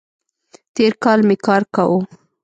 تېر کال می کار کاوو